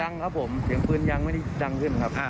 ยังครับผมเสียงปืนยังไม่ได้ดังขึ้นครับ